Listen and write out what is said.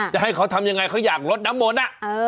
จะให้เขาทำยังไงเขาอยากลดน้ำมนต์